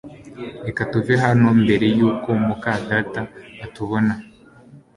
Reka tuve hano mbere yuko muka data atubona